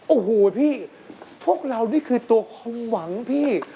โอ้โหพี่พวกเรานี่คือตัวความหวังพี่